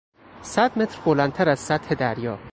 صد متر بلندتر از سطح دریا